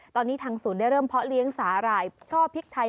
ตอนนี้ทางศูนย์ได้เริ่มเพาะเลี้ยงสาหร่ายช่อพริกไทย